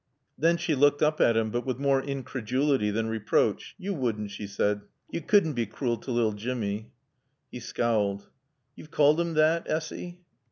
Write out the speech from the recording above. Then she looked up at him, but with more incredulity than reproach. "Yo' wudn'," she said. "Yo' cudn' bae crool t' lil Jimmy." He scowled. "Yo've called 'im thot, Essy?"